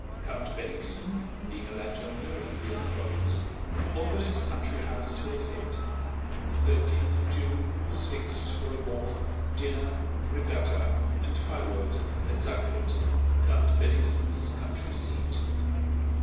Count Bennigsen, being a landowner in the Vílna province, offered his country house for the fete, and the thirteenth of June was fixed for a ball, dinner, regatta, and fireworks at Zakret, Count Bennigsen's country seat.